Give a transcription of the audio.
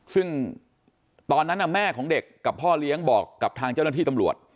ซึ่งตอนนั้นแม่ของเด็กกับพ่อเลี้ยงบอกกับทางเจ้าหน้าที่ตำรวจ